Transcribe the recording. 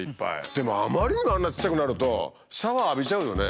でもあまりにもあんなちっちゃくなるとシャワー浴びちゃうよね。